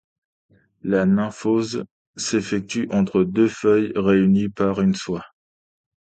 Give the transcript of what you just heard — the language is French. La nymphose s'effectue entre deux feuilles réunies par une soie.